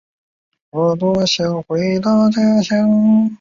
本站采用双层月台设计是要配合大江户线近麻布地区的线形。